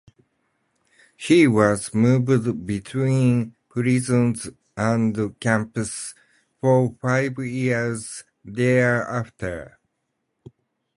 He was moved between prisons and camps for five years thereafter.